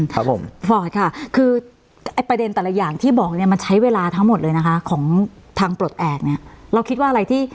ครับผมฟอร์ดค่ะคือไอ้ประเด็นแต่ละอย่างที่บอกเนี่ยมันใช้เวลาทั้งหมดเลยนะคะของทางปลดแอบเนี่ยเราคิดว่าอะไรที่